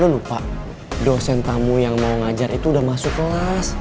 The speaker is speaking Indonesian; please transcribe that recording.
lupa dosen tamu yang mau ngajar itu udah masuk kelas